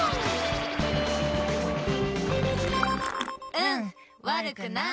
うんわるくない。